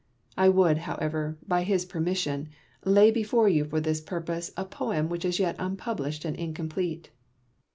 I would, however, by his permission, lay before you for this purpose a poem which is yet unpublished and incomplete.